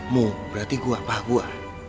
mu berarti gue pah gue